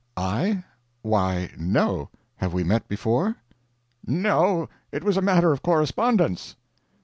"I? Why, no. Have we met before?" "No, it was a matter of correspondence."